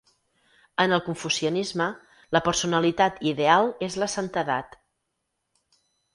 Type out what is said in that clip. En el confucianisme, la personalitat ideal és la santedat.